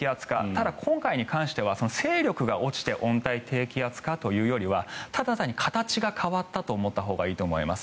ただ、今回に関しては勢力が落ちて温帯低気圧化というよりはただ形が変わったと思ったほうがいいと思います。